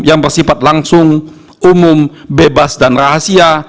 yang bersifat langsung umum bebas dan rahasia